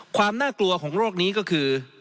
ความน่ากลัวของโรคนี้ก็คือ